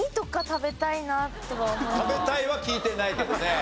「食べたい」は聞いてないけどね。